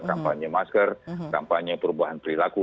kampanye masker kampanye perubahan perilaku